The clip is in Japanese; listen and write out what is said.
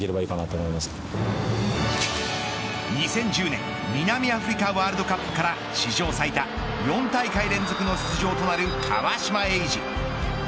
２０１０年南アフリカワールドカップから史上最多４大会連続の出場となる川島永嗣。